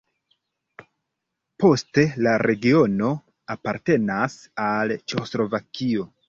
Poste la regiono apartenis al Ĉeĥoslovakio.